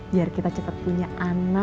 biar kita cepat punya anak